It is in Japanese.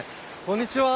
こんにちは。